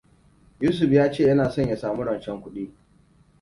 Yusuf ya ce yana son ya sami rancen kuɗi.